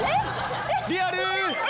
リアル！